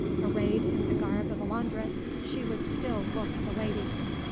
Arrayed in the garb of a laundress, she would still look the lady.